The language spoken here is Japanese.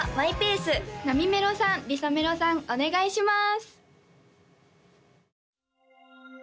お願いします